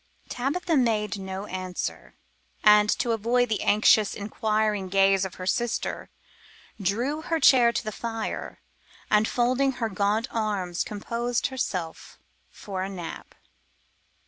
Tabitha made no answer, and to avoid the anxious inquiring gaze of her sister, drew her chair to the fire, and folding her gaunt arms, composed herself for a nap.